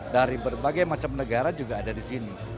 dari berbagai macam negara juga ada di sini